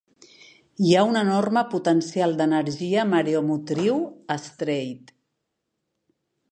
Hi ha un enorme potencial d'energia mareomotriu a Strait.